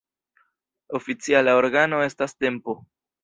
Oficiala organo estas Tempo.